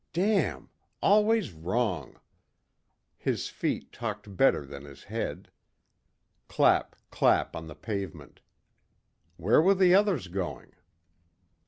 Damn! Always wrong! His feet talked better than his head. Clap, clap on the pavement. Where were the others going?